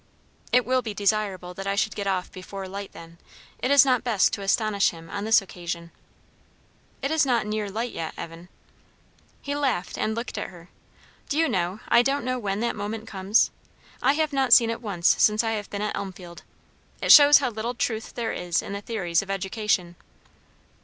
"It will be desirable that I should get off before light, then. It is not best to astonish him on this occasion." "It is not near light yet, Evan?" He laughed, and looked at her. "Do you know, I don't know when that moment comes? I have not seen it once since I have been at Elmfield. It shows how little truth there is in the theories of education."